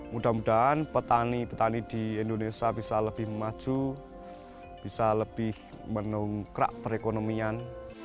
mudah mudahan petani petani di indonesia bisa lebih maju bisa lebih menungkrak perekonomian